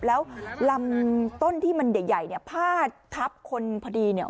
แล้วลำต้นที่มันใหญ่พาดทับคนพอดี